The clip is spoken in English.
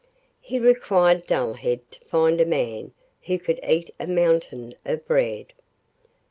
He required Dullhead to find a man who could eat a mountain of bread.